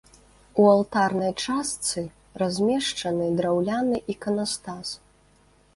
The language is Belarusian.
У алтарнай частцы размешчаны драўляны іканастас.